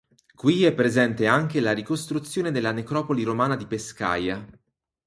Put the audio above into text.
Qui è presente anche la ricostruzione della necropoli romana di Pescaia.